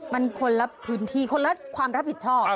มันคนละพื้นที่คนละความรับผิดชอบ